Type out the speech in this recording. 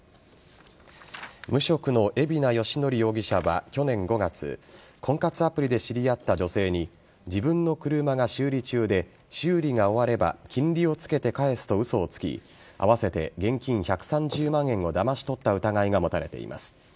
無職の海老名義憲容疑者は去年５月婚活アプリで知り合った女性に自分の車が修理中で修理が終われば金利をつけて返すと嘘をつき合わせて現金１３０万円をだまし取った疑いが持たれています。